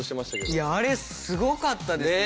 いやあれすごかったですね。